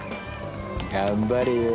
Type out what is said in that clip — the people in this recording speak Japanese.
頑張れよ。